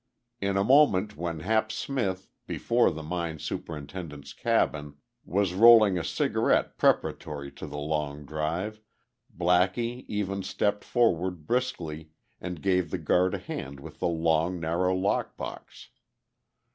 In a moment when Hap Smith, before the mine superintendent's cabin, was rolling a cigarette preparatory to the long drive, Blackie even stepped forward briskly and gave the guard a hand with the long, narrow lock box.